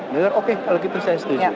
dia bilang oke kalau gitu saya setuju